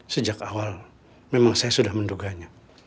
sejak awal memang saya sudah menduganya